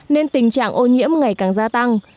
nên tình trạng ô nhiễm ngày càng gia tăng